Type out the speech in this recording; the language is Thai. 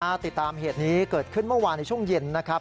ติดตามเหตุนี้เกิดขึ้นเมื่อวานในช่วงเย็นนะครับ